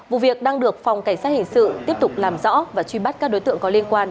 vụ việc đang được phòng cảnh sát hình sự tiếp tục làm rõ và truy bắt các đối tượng có liên quan